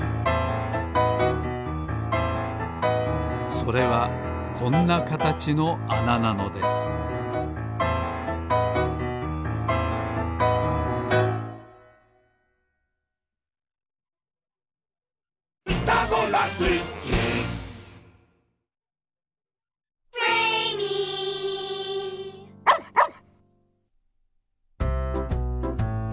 それはこんなかたちのあななのですワンワン！